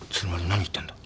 何言ってるんだ？